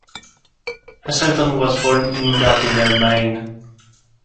Heselton was born in Gardiner, Maine.